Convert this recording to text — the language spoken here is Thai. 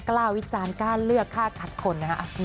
กล้าวิจารณ์กล้าเลือกค่าคัดคน